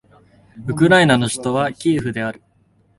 ウクライナの首都はキエフである